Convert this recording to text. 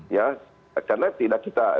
ya karena tidak kita